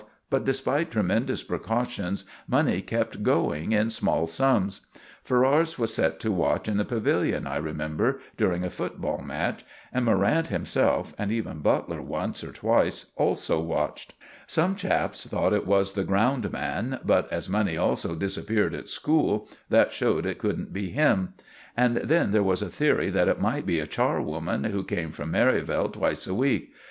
But, despite tremendous precautions, money kept going in small sums. Ferrars was set to watch in the pavilion, I remember, during a football match, and Morrant himself, and even Butler once or twice, also watched. Some chaps thought it was the ground man; but as money also disappeared at school, that showed it couldn't be him. And then there was a theory that it might be a charwoman who came from Merivale twice a week.